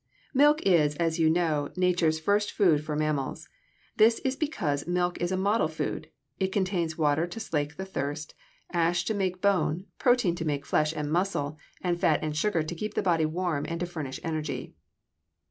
= Milk is, as you know, nature's first food for mammals. This is because milk is a model food it contains water to slake thirst, ash to make bone, protein to make flesh and muscle, and fat and sugar to keep the body warm and to furnish energy.